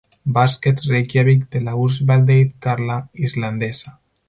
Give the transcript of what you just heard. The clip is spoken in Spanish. Basket Reykjavík de la Úrvalsdeild karla islandesa.